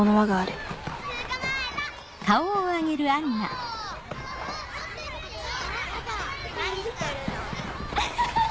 アハハハ！